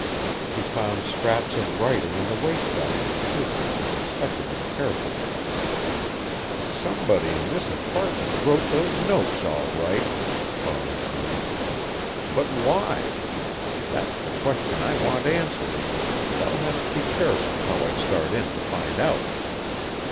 He found scraps of writing in the wastebasket, too, and inspected them carefully. "Somebody in this apartment wrote those notes, all right," Farland mused. "But why? That's the question I want answered, and I'll have to be careful how I start in to find out.